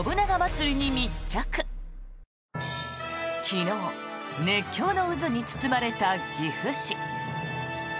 昨日、熱狂の渦に包まれた岐阜市。